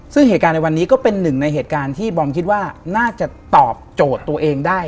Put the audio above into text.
ซึ่งเหตุการณ์ในวันนี้ก็เป็นหนึ่งในเหตุการณ์ที่บอมคิดว่าน่าจะตอบโจทย์ตัวเองได้